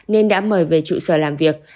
nên đã mời về trụ sở làm việc